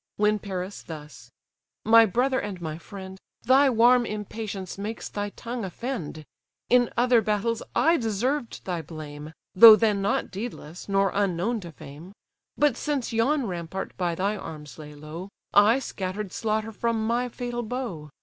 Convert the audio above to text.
When Paris thus: "My brother and my friend, Thy warm impatience makes thy tongue offend, In other battles I deserved thy blame, Though then not deedless, nor unknown to fame: But since yon rampart by thy arms lay low, I scatter'd slaughter from my fatal bow.